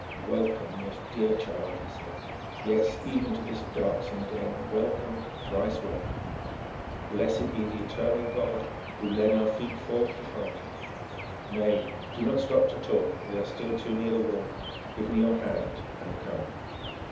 "Welcome, most dear child," he said; "yes, even to this darksome den, welcome, thrice welcome, and blessed be the eternal God Who led our feet forth to find you. Nay, do not stop to talk, we are still too near the wall. Give me your hand and come."